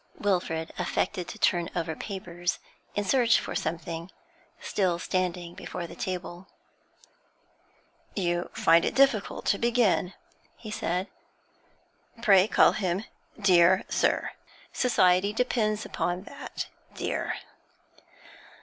Wilfrid affected to turn over papers in search for something, still standing before the table. 'You find it difficult to begin,' he said. 'Pray call him "dear sir." Society depends upon that "dear."'